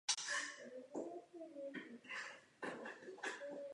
O původu zločinu genocidy se často bouřlivě diskutuje.